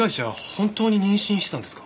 本当に妊娠してたんですか？